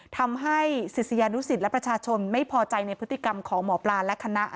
ทำให้ศิษยานุสิตและประชาชนไม่พอใจในพฤติกรรมของหมอปลาและคณะ